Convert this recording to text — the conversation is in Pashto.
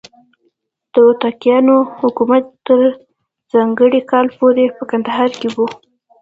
د هوتکیانو حکومت تر ځانګړي کال پورې په کندهار کې و.